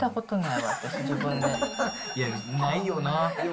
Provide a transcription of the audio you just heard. いや、ないよな。